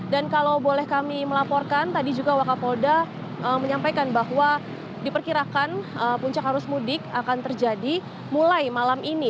dan kalau boleh kami melaporkan tadi juga wakapolda menyampaikan bahwa diperkirakan puncak harus mudik akan terjadi mulai malam ini